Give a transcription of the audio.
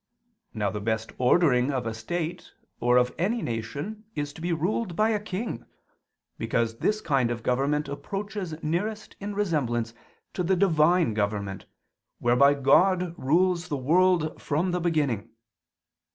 Now the best ordering of a state or of any nation is to be ruled by a king: because this kind of government approaches nearest in resemblance to the Divine government, whereby God rules the world from the beginning.